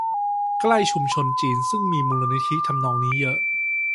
ใกล้ชุมชนจีน ซึ่งมีมูลนิธิทำนองนี้เยอะ